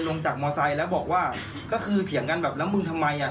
นู้นนะครับบริเวณกลางซอยในกล้องยังเห็นไหม